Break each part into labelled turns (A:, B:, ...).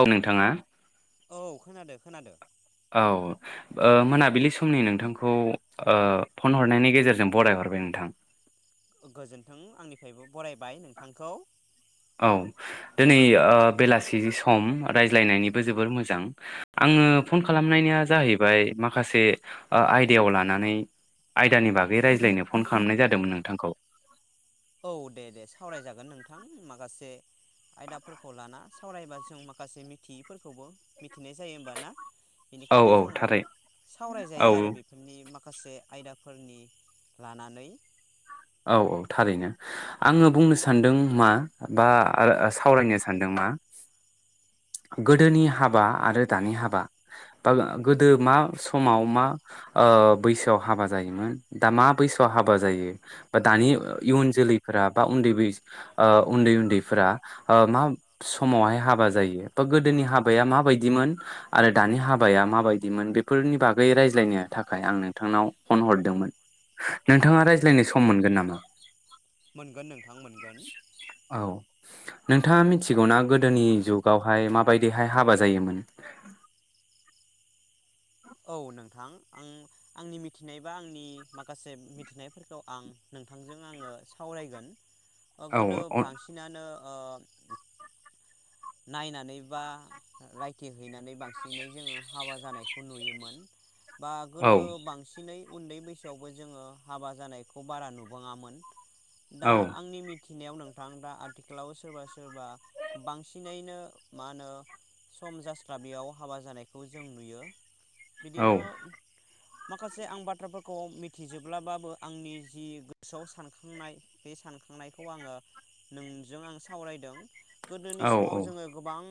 A: औ नोंथाङा
B: औ खोनादो खोनादो
A: औ ओ मोनाबिलि समनि नोंथांखौ ओ फन हरनायनि गेजेरजों बराय हरबाय नोंथां।
B: गोजोन्थों आंनिफ्रायबो बरायबाय नोंथांखौ
A: औ दिनै ओ बेलासि सम रायज्लायनायनिबो जोबोर मोजां आङो फन खालामनायनिया जाहैबाय माखासे ओ आयदायाव लानानै आयदानि बागै रायज्लायनो फन खालामनाय जादोंमोन नोंथांखौ।
B: औ दे दे सावरायजागोन नोंथां माखासे आयदाफोरखौ लाना सावरायबा जों माखासे मिथियैफोरखौबो मि मिथिनाय जायो होमबा ना
A: औ
B: बेनिखायनो
A: औ
B: जोङो
A: थारै
B: सावरायजायो
A: औ
B: आरो बेफोरनि माखा माखासे आयदाफोरनि लानानै
A: औ औ थारैनो आङो बुंनो सान्दों मा बा सावरायनो सानदों मा गोदोनि हाबा आरो दानि हाबा बा गोदो मा समाव मा ओ बैसोआव हाबा जायोमोन दा मा बैसोआव हाबा जायो। बा दानि इयुन जोलैफोरा बा ओ उन्दैै बै उन्दै उन्दैफोरा मा समावहाय हाबा जायो बा गोदोनि हाबाया माबायदिमोन आरो दानि हाबाया माबायदिमोन बेफोरनि बागै रायज्लायनो थाखाय आं नोंथांनाव फन हरदोंमोन नोंथाङा रायज्लायनो सम सम मोनगोन नामा?
B: मोनगोन नोंथां मोनगोन
A: औ नोंथाङा मिथिगौना गोदोनि जुगावहाय माबायदिहाय हाबा जायोमोन
B: औ नोंथां आं आंनि मिथिनाय बा आंनि माखासे मिथिनायफोरखौ आं नोंथांजों आङो सावरायगोन।
A: औ
B: गोदो
A: औ
B: बांसिनानो ओ नायनानै बा रायखि हैनानै बांसिनै जोङो हाबा जानाय खौ नुयोमोन बा
A: औ
B: गोदो बांसिनै उन्दै बैसोआवबो जोङो हाबा जानायखौ बारा नुबाङामोन।
A: औ
B: दा आंनि मि मिथिनायाव नोंथां दा आथिखालाव सोरबा सोरबा बांसिन बांसिनैनो मा होनो सम जास्लाबेैयाव हाबा जानायखौ जों नुयो। बिदिनो माखासे आं बाथ्राफोरखौ मिथिजोब्लाबाबो आंनि जि गोसोआव सानखांनाय बे सानखांनायखौ आङो नोंजों आं सावरायदों। गोदोनि
A: औ
B: समाव जोङो गोबां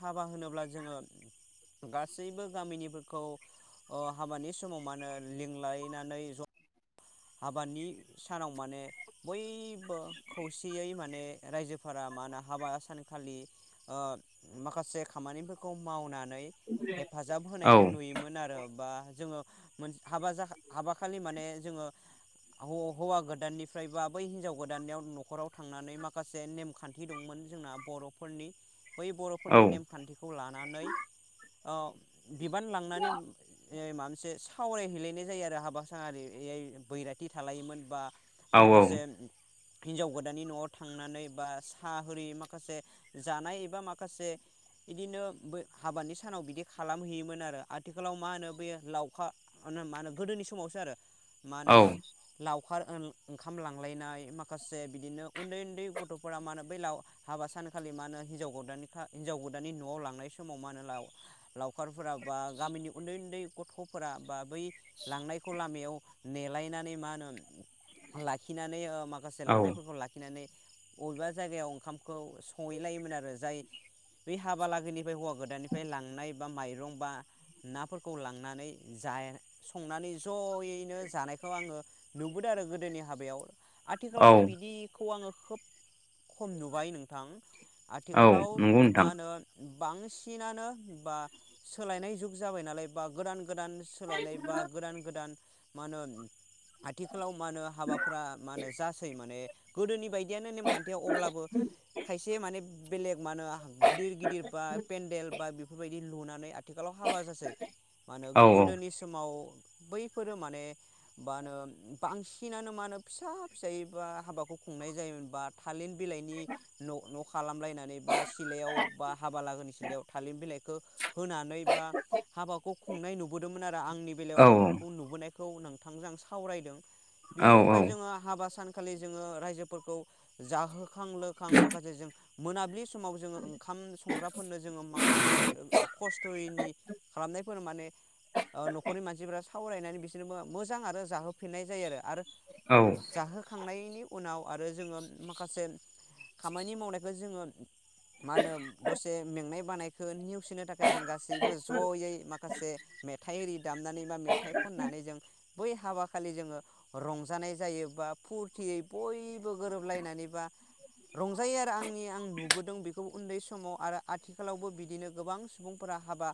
B: हाबा होनोब्ला जोङो गासैबो गामिनिफोरखौ हाबानि ओ समाव मानो लिंलायनानै ज हाबानि सानाव माने बयबो खौसेयै माने रायजोफोरा मा होनो हाबा सानखालि माखासे ओ खामानिफोरखौ मावनानै नै हेफाजाब होनायखौ
A: औ
B: नुयोमोन आरो बा जोङो हाबा जा-हाबा खालि माने जोङो हौवा गोदाननिफ्राय बा बै हिनजाव गोदाननियाव न'खराव थांनानै माखासे नेमखान्थि दंमोन जोंना बर'फोरनि बै बर'फोरनि
A: औ
B: नेमखान्थिखौ लानानै औ बिबान लांनानै ए माबा मोनसे सावरायहैलायनाय जायो आरो हाबा सानारि इयाय बैराथि थालायोमोन बा
A: औ
B: माखासे हिनजाव गोदाननि न'आव थांनानै बा साहा होरि माखासे जानाय एबा माखासे बिदिनो ब हाबानि सानाव बिदि खालामहैयोमोन आरो आथिखालाव मा होनो बेयो लावखा मानो मा होनो गोदोनि समावसो आरो। मा
A: औ
B: होनो लाव खार ओन ओंखाम लांलायनाय माखासे बिदिनो उन्दै उन्दै गथ'फोरा मा होनो बै लाव हाबा सानखालि मा होन हिनजाव गोदानखा हिनजाव गोदानानि नआव लांनाय समाव मा होनो लाव लावखार फोरा बा गामिनि उन्दै उन्दै गथ'फोरा बा बै लांनायखौ लामायाव नेलायनानै मा होनो लाखिनानै ओ माखासे
A: औ
B: लांनायफोरखौ लाखिनानै बबेबा जायगायाव ओंखामखौ सहैलायोमोन आरो जाय बै हाबा लागोनिफ्राय हौवा गोदाननिफ्राय लांनाय बा माइरं बा नाफोरखौ लांनानै जा संनानै जयैनो जानायखौ आङो नुबोदो आरो गोदोनि हाबायाव।
A: औ
B: आथिखालाव बिदिखौ आङो खोब खम नुबाय नोंथां।
A: औ
B: आथिखालाव
A: नंगौ
B: बा
A: नोंथां
B: होनो। बांसिनानो बा सोलायनाय जुग जाबाय नालाय बा गोदान गोदान सोलायनाय बा गोदान गोदान माहोनो आथिखालाव मा होनो हाबाफोरा मा होनो जासै माने गोदोनि बायदि इदियानो नेमखान्थिया अब्लाबो खायसे माने बेलेग मा होनो गिदिर गिदिर बा पेन्देल बा बेफोरबायदि इ लुनानै आ आथिखालाव हाबा जासै मा होनो
A: औ
B: गोदोनि समाव बैफोरो मा माने मा होनो बांसिनानो मा होनो फिसा फिसायै बा हाबाखौ खुंनाय जायोमोन बा थालिन बिलाइनि न' न' खालामलायनानै बा सिलायाव बा हाबा लागोननि सिलायाव थालिर बिलाइखो होनानै बा हाबाखौ खुंनाय नुबोदोंमोन आरो आंनि बेलायाव
A: औ
B: आं बेखौ नुबोनाय खौ नोंथांजों सावरायदों।
A: औ
B: बिनि उननिफाय जोङो हाबा सान खालि जोङो रायजोफोरखौ जाहो खां लोखां माखासे जों मोनाबिलि स समाव जोङो ओंखाम संग्राफोरनो जोङो माखासे खस्थयैनि खालामनायफोर माने ओ नखरनि मानसिफोरा सावरायनानै बिस जेनेबा मोजां आरो जाहोफिननाय जायो आरो आरो
A: औ
B: जाहोखांनायनि उनाव आरो जोङो माखासे खामानि मावनायखौ जोङो मा होनो दसे मेंनाय बानायखौ निउ सिनो थाखाय जों गासैबो जयै माखासे मेथाइ एरि दामनानै बा मेथाइ खननानै बै हाबा खालि जोङो रंजानाय जायो बा फुरथियै बयबो गोरोबलायनानै बा रंजायो आरो आंनि आं नुबोदों बेखौ उन्दै समाव आरो आथिखालावबो बिदिनो गोबां सुबुंफोरा हाबा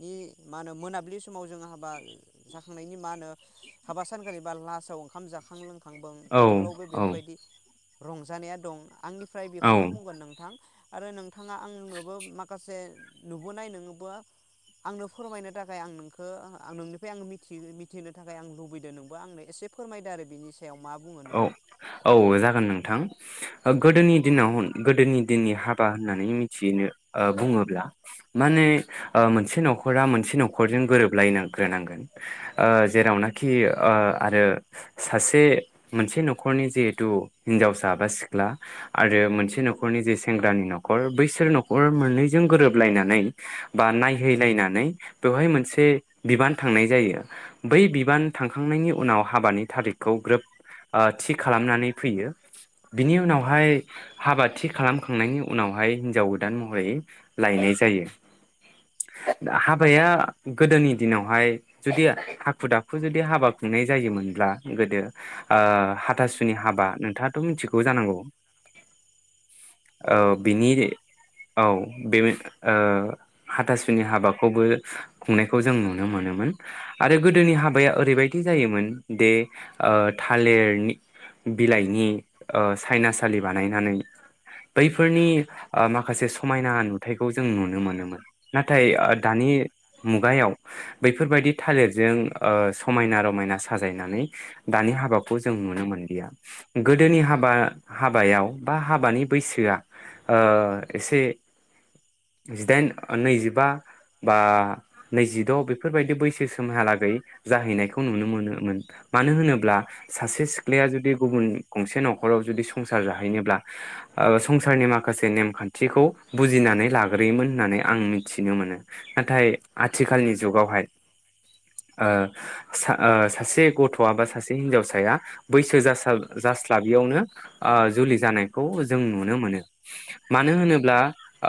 B: नि मा होनो मोनाब्लि समाव जोङो हाबा जाखांनायनि मा होनो हाबा सानखालि बा लासाव ओंखाम जाखां लोंखांबो आथिखालावबो बेफोरबायदि रंजानाया दं। आंनिफ्राय
A: औ
B: बेखौनो बुंगोन नोंथां। आरो नोंथाङा आंनोबो माखासे नुबोनाय नोङोबो आंनो फोरमायनो थाखाय आं नोंखो आं नोंनिफाय आं मिथि-मिथ थिनो थाखाय आं लुबैदो नोंबो आंनो एसे फोरमायदो आरो बिनि स
A: औ औ जागोन नोंथां गोदोनि दिनाव होन गोदोनि दिननि हाबा होननानै मिथिनो ओ बुङोब्ला माने ओ मोनसे नख'रा मोनसे नख'रजों गोरोबलाय नांग्रोनांगोन ओ जेरावनाखि ओ आरो सासे मोनसे नखरनि जिहेथु हिनजावसा बा सिख्ला आरो मोनसे नखरनि जे सेंग्रानि नखर बैसोर नखर मोननैजों गोरोबलायनानै बा नायहैलायनानै बेवहाय मोनसे बिबान थांनाय जायो बै बिबान थांखांनायनि उनाव हाबानि थारिखखौ ग्रोब ओ थि खालामनानै फैयो बिनि उनावहाय हाबा थि खालामखांनायनि उनावहाय हिनजाव गोदान महरै लायनाय जायो दा हाबाया गोदोनि दिनावहाय जुदि हाखु दाखु जुदि हाबा खुंनाय जायोमोनब्ला गोदो ओ हाथासुनि हाबा नोंथाङाथ मिथिगौ जानांगौ। औ बिनि औ बे ओ हाथासुनि हाबाखौबो खुंनायखौ जों नुनो मोनोमोन आरो गोदोनि हाबाया ओरैबायदि जायोमोन दे ओ थालेरनि बिलाइनि ओ सायनासालि बानायनानै बैफोरनि ओ माखासे समायना नुथायखौ जों नुनो मोनोमोन नाथाय ओ दानि मुगायाव बैफोर बायदि थालिरजों ओ समायना रमायना साजायनानै दानि हाब बाखौ जों नुनो मोनदिया गोदोनि हाबा-हाबायाव बा हाबानि बैसोआ ओ एसे जिदाइन ओ नैजिबा बा नैजिद बेफोर बायदि बैसो सिमहालागै जाहैनायखौ नुनो मोनोमोन मानो होनोब्ला सासे सिख्लाया जुदि गुबुन गंसे नखराव जुदि संसार जाहैनोब्ला ओ संसारनि माखासे नेमखान्थिखौ बुजिनानै लाग्रोयोमोन होननानै आं मिथिनो मोनो नाथाय आथिखालनि जुगावहाय ओ सा ओ सासे गथआ बा सासे हिनजाव सा साया बैसो जासाब जास्लाबियावनो ओ जुलि जानायखौ जों नुनो मोनो मानो होनोब्ला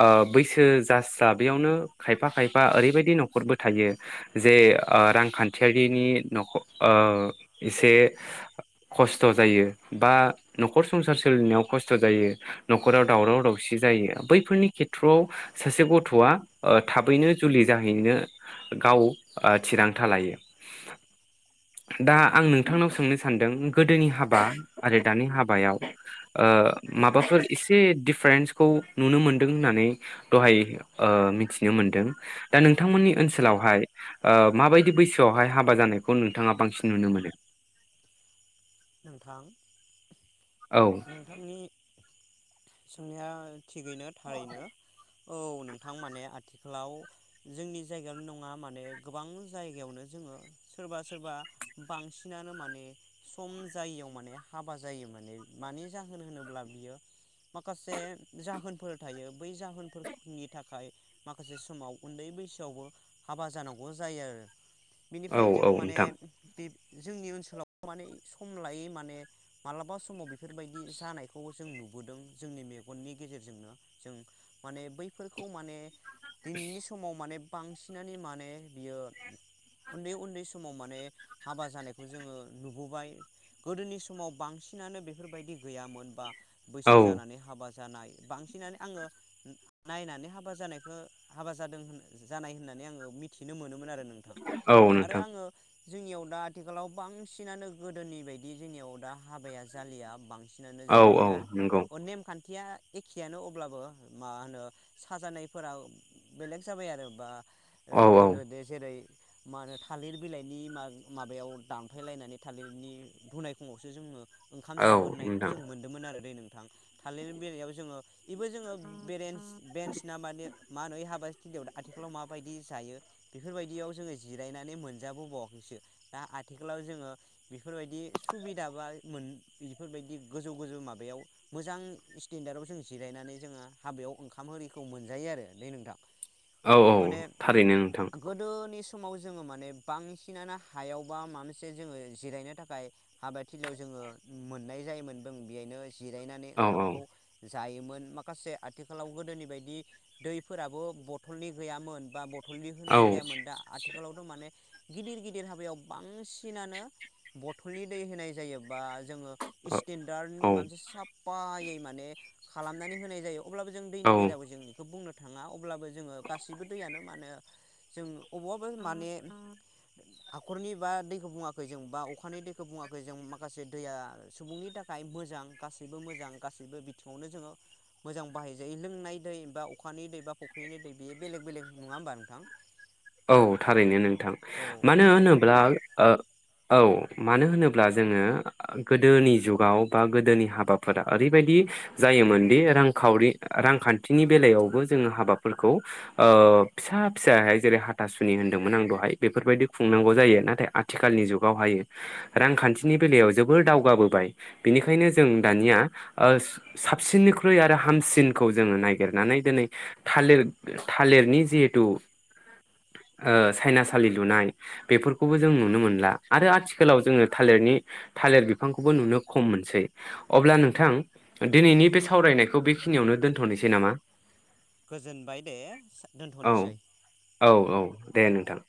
A: ओ बैसो जास्लाबियावनो खायफा खायफा ओरैबायदि नख'रबो थायो जे ओ रांखान्थियारिनि नख ओ एसे खस्थ जायो बा नख'र संसार सोलिनायाव खस्थ जायो नख'राव दावराव-दावसि जायो बैफोरनि खेथ्रआव सासे गथ'आ ओ थाबैनो जुलि जाहैनो गाव ओ थिरांथा लायो दा आं नोंथांनाव सो सोंनो सानदों गोदोनि हाबा आरो दानि हाबायाव ओ माबाफोर एसे डिफारेन्सखौ नुनो मोनदों होननानै दहाय ओ मिथिनो मोन्दों दा नोंथांमोननि ओनसोलावहाय ओ मा बायदि बैसोआवहाय हाबा जानायखौ नोंथाङा बांसिन नुनो मोनो?
B: नोंथां।
A: औ
B: नोंथांनि सोंनाया थिगैनो थारैनो। औ नोंथां माने आथिखालाव जोंनि जायगायावनो नङा माने गोबां जायगायावनो जोङो सोरबा सोरबा बांसिनानो माने स सम जायैयाव माने हाबा जायो माने मानि जाहोन होनोब्ला बियो माखासे जाहोनफोर थायो बै जाहोनफोरनि थाखाय माखासे समाव उन्दै बैसोआवबो हाबा जानांगौ जायो आरो।
A: औ
B: बिनिफाय
A: औ
B: जोङो माने
A: नोंथां
B: बे जोंनि ओनसोलाव माने सम लायो माने मालाबा समाव बे बेफोर बायदि जानायखौ जों नुबोदों जोंनि मेगननि गेजेर जोंनो जों माने बैफोरखौ माने दिनैनि समाव माने बांसिनानो माने बियो उन्दै उन्दै समाव माने हाबा जानायखौ जोङो नुबोबाय गोदोनि समाव बांसिनानो बेफोरबायदि गैयामोन बा
A: औ
B: बैसो जानानै हाबा जा जानाय बांसिनानो आङो नायनानै हाबा जानायखौ हाबा जादों होन ज जानाय होननानै आङो मिथिनो मोनोमोन आरो नोंथां
A: औ
B: आरो
A: नोंथां
B: आङो जोंनियाव दा आथिखालाव बांसिनानो गोदोनि बायदि जोंनियाव दा हाबाया जालिया बांसि सिनानो
A: औ औ
B: जोंनिया
A: नंगौ
B: अ नेम खान्थ थिया एखेयानो अब्लाबो मा होनो साजानायफोरा बेलेग जाबाय आरो बा ओ
A: औ औ
B: गोदोदे जेरै मा होनो थालिर बिलाइनि मा माबायाव दानफायलायनानै थालिरनि धुनायखं आवसो जोङो ओंखाम
A: औ
B: जाबोनायखौ
A: नोंथां
B: जों मोनदोंमोन आरो दै नों थां थालिर बेलायाव जोङो एबो जोंङो बेरेन्स बेन्स ना मानो माहोनो यै हाबा थिलियाव दा आथिखालाव माबायदि जायो बेफोरबायदियाव जोङो जिरायनानै मोनजाबोबावाखैसो दा आथिखालाव जोंङो बेफोरबायदि सुबिदा बा मोन बेफोरबायदि गोजौ गोजौ माबायाव मोजां स्टेन्डार्डआव जों जिरायनानै जोङो हाबायाव ओंखाम आरिखौ मोनजायो आरो दै नोंथां।
A: औऔ
B: माने
A: थारैनो नोंथां
B: गोदोनि समाव जोङो माने बांसिनानो हायाव बा माबा मोनसे जोंङो जिरायनो थाखाय हाबाथिलियाव जोङो मोननाय जायोमोन बों बेहायनो जिरायनानै
A: औ
B: ओंखामखौ जायोमोन माखासे आथिखालाव गोदोनि बायदि दैफोराबो बथलनि गैयामोन बा बथ थलनि
A: औ
B: होनाय जायामोन दा आथिखालावथ माने गिदिर गिदिर हाबायाव बांसिनानो बथलनि दै होनाय जायो बा जोङो स्टेन्डारनि
A: औ
B: मोनसे साफायै माने खालामनानै होनाय जायो। अब्लाबो जों दैनि
A: औ
B: बेलायाव जोङो एखौ बुंनो थाङा अब्लाबो जोङो गासैबो दैयानो माने जों अबावबाअबा माने हाखरनि बा दैखौ बुङाखै जों बा अखानि दैखौ बुङाखै जों माखासे दैया सुबुंनि थाखाय मोजां गासैबो मोजां गासैबो बिथिङावनो जोङो मोजां बाहाय जायो लोंनाय दै बा अखानि दै बा फुख्रिनि दै बे बेलेग बेलेग नङा होमबा नोंथां?
A: औ थारैनो नोंथां
B: औ
A: मानो
B: बेनिखायनो
A: होनोब्ला
B: मा
A: ओ औ मानो होनोब्ला जोङो गोदोनि जुगाव बा गोदोनि हाबाफोरा ओरैबायदि जायोमोनदि रांखावरि रांखान्थिनि बेलायावबो जोङो हाबाफोरखौ ओ फिसा फिसा जेरै हा था सुनि होनदोंमोन आं दहाय बेफोरबायदि खुंनांगौ जायो नाथाय आथिखालनि जुगावहायो रांखान्थिनि बेलायाव जोबोर दावगाबोबाय बिनिखायनो जों दानिया ओ स साबसिननिख्रुइ आरो हामसिनखौ जोङो नागिरनानै दिनै थालिर थालिरनि जिहेथु ओ सायनासालि लुनाय बेफोरखौबो जों नुनो मोनला आरो आथिखालाव जोङो थालिरनि थालिर बिफांखौबो नुनो खम मोनसै अब्ला नोंथां दिनैनि बे सावरायनायखौ बेखिनियावनो दोनथनोसै नामा?
B: गोजोनबाय दे से
A: औ
B: दोनथनिसै
A: औ औ दे नोंथां